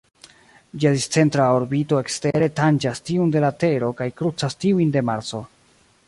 Ĝia discentra orbito ekstere tanĝas tiun de la Tero kaj krucas tiujn de Marso.